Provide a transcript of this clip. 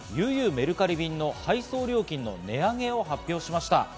メルカリ便の配送料金の値上げを発表しました。